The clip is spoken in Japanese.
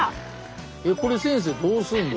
これ先生どうすんの？